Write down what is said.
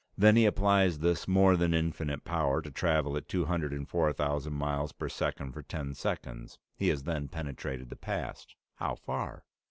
Then he applies this more than infinite power to travel at two hundred and four thousand miles per second for ten seconds. He has then penetrated the past. How far?"